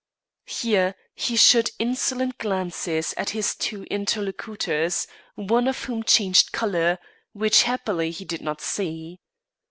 Here he shot insolent glances at his two interlocutors, one of whom changed colour which, happily, he did not see.